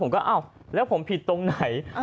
อ้าวแล้วผมผิดตรงไหน